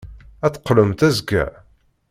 Ad d-teqqlemt azekka?